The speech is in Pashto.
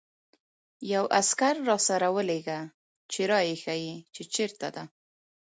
یو عسکر راسره ولېږه چې را يې ښيي، چې چېرته ده.